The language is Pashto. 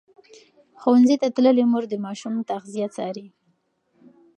ښوونځې تللې مور د ماشوم تغذیه څاري.